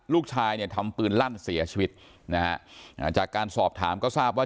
ลูกชายทำปืนลั่นเสียชีวิตจากการสอบถามก็ทราบว่า